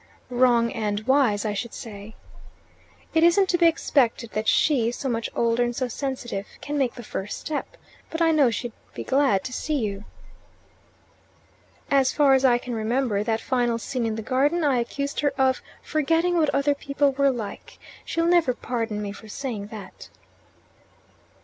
"Wrong and wise, I should say." "It isn't to be expected that she so much older and so sensitive can make the first step. But I know she'd he glad to see you." "As far as I can remember that final scene in the garden, I accused her of 'forgetting what other people were like.' She'll never pardon me for saying that."